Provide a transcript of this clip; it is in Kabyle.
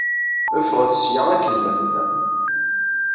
Ffɣet seg-a, akken ma tellam!